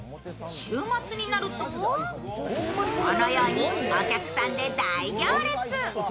週末になると、このようにお客さんで大行列。